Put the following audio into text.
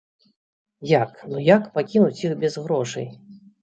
Як, ну як пакінуць іх без грошай?